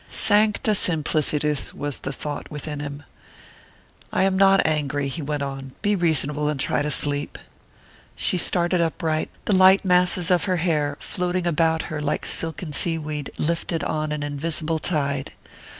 Sancta simplicitas! was the thought within him. "I am not angry," he went on; "be reasonable and try to sleep." She started upright, the light masses of her hair floating about her like silken sea weed lifted on an invisible tide.